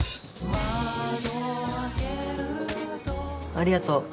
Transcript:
ありがとう。